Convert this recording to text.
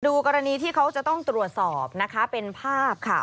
กรณีที่เขาจะต้องตรวจสอบนะคะเป็นภาพค่ะ